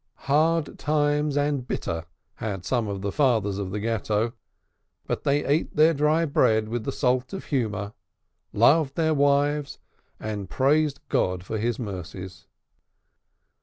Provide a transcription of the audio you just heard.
Hard times and bitter had some of the fathers of the Ghetto, but they ate their dry bread with the salt of humor, loved their wives, and praised God for His mercies.